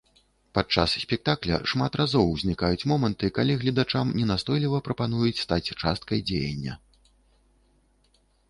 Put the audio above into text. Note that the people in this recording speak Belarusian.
Падчас спектакля шмат разоў узнікаюць моманты, калі гледачам ненастойліва прапануюць стаць часткай дзеяння.